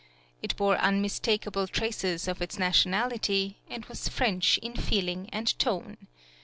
It bore unmistakable traces of its nationality, and was French in feeling and tone.